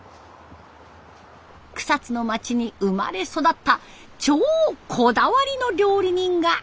草津の町に生まれ育った超こだわりの料理人がいました。